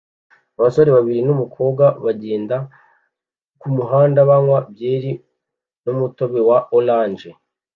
Abasore babiri numukobwa bagenda kumuhanda banywa byeri numutobe wa orange